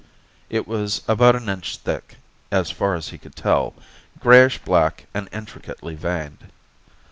It was about an inch thick, as far as he could tell, grayish black and intricately veined.